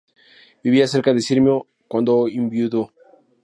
Vivía cerca de Sirmio cuando enviudó.